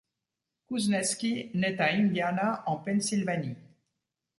Kuzneski naît à Indiana en Pennsylvanie.